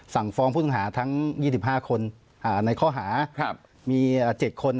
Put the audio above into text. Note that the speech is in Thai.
สั่งฟ้องผู้ต้องหาทั้ง๒๕คนในข้อหามี๗คน